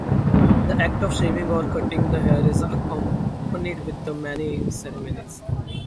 The act of shaving or cutting the hair is accompanied with many ceremonies.